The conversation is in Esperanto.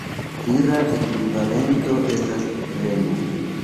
Vira ekvivalento estas Remo.